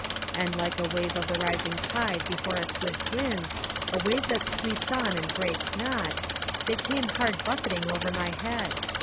And like a wave of the rising tide before a swift wind, a wave that sweeps on and breaks not, they came hard buffeting over my head.